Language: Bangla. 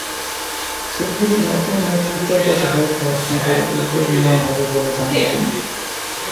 শিগগিরই নতুন নেতৃত্বের কাছে দায়িত্ব হস্তান্তরের উদ্যোগ নেওয়া হবে বলে জানান তিনি।